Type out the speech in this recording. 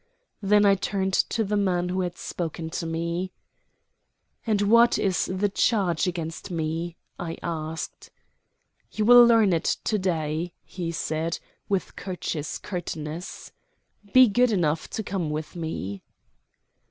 Then I turned to the man who had spoken to me. "And what is the charge against me?" I asked. "You will learn it to day," he said, with courteous curtness. "Be good enough to come with me."